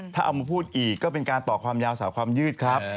ถ้าเอามาพูดอีกก็เป็นการต่อความยาวสาวความยืดครับ